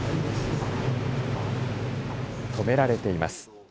止められています。